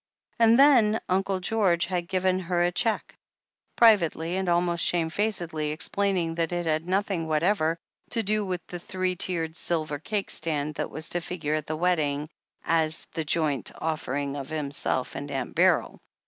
And then Uncle George had given her a cheque, pri 478 THE HEEL OF ACHILLES vately and almost shamefacedly, explaining that it had nothing whatever to do with the three tiered silver cake stand that was to figure at the wedding as the joint offering of himself and Aunt Beryl.